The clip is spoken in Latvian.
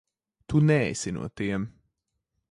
Tu neesi no tiem.